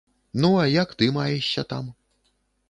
Ну, а як ты маешся там?